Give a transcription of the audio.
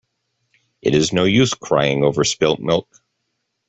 It is no use crying over spilt milk.